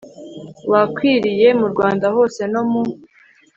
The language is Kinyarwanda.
wakwiriye mu rwanda hose, no mu